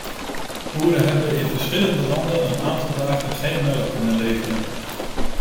Boeren hebben in verschillende landen een aantal dagen geen melk kunnen leveren.